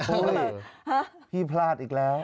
เฮ้ยพี่พลาดอีกแล้ว